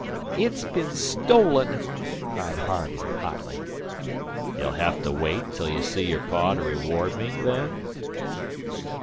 "It's been stolen!" cried Harvey, hotly. "You'll hev to wait till you see your pa to reward me, then?"